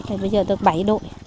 bây giờ tôi bảy đội